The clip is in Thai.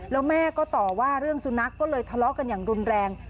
แล้วแม่ก็ต่อว่าเรื่องสุนัขก็เลยทะเลาะกันอย่างรุนแรง